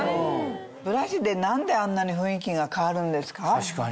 ブラシで何であんなに雰囲気が変わるんですか？